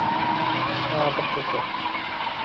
হ্যাঁ, আপাতত।